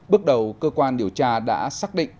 bước đầu cơ quan điều tra đã xác định